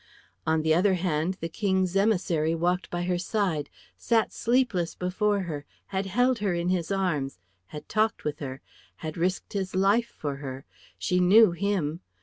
On the other hand the King's emissary walked by her side, sat sleepless before her, had held her in his arms, had talked with her, had risked his life for her; she knew him.